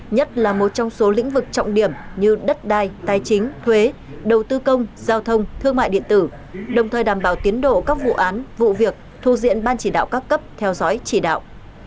nhất là một trong số lĩnh vực trọng điểm như đất đai tài chính thuế đầu tư công giao thông thương mại điện tử đồng thời đảm bảo tiến độ các vụ án vụ việc thu diện ban chỉ đạo các cấp theo dõi chỉ đạo